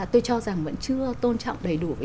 tôi cho rằng vẫn chưa tôn trọng đầy đủ